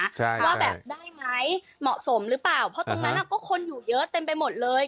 ใช่ว่าแบบได้ไหมเหมาะสมหรือเปล่าเพราะตรงนั้นก็คนอยู่เยอะเต็มไปหมดเลย